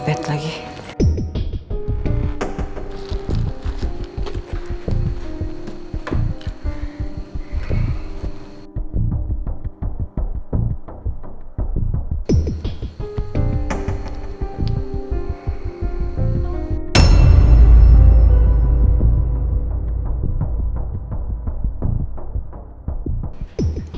ada apa lagi sih